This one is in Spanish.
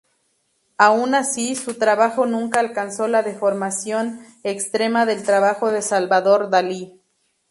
Aun así, su trabajo nunca alcanzó la deformación extrema del trabajo de Salvador Dalí.